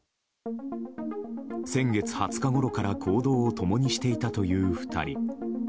先月２０日ごろから行動を共にしていたという２人。